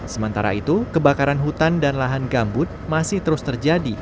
sementara itu kebakaran hutan dan lahan gambut masih terus terjadi